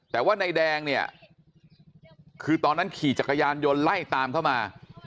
แต่ว่านายแดงเนี่ยคือตอนนั้นขี่จักรยานยนต์ไล่ตามเข้ามา